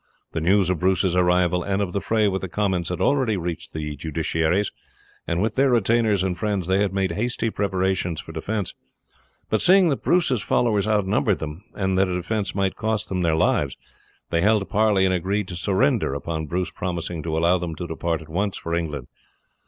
The news of Bruce's arrival and of the fray with the Comyns had already reached the justiciaries, and with their retainers and friends they had made hasty preparations for defence; but seeing that Bruce's followers outnumbered them, and that a defence might cost them their lives, they held parley and agreed to surrender upon Bruce promising to allow them to depart at once for England.